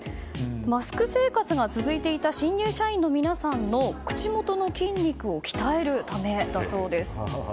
マスク生活が続いていた新入社員の皆さんの口元の筋肉を鍛えるためだそうです。